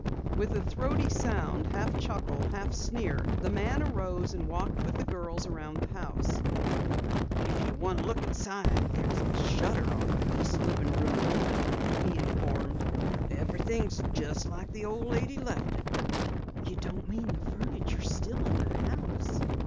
With a throaty sound, half chuckle, half sneer, the man arose and walked with the girls around the house. "If you want to look inside, there's a shutter off on the east livin' room window," he informed. "Everything's just like the old lady left it." "You don't mean the furniture is still in the house!"